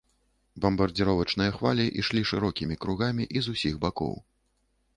Бамбардзіровачныя хвалі ішлі шырокімі кругамі і з усіх бакоў.